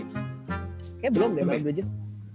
kayaknya belum deh mas bridges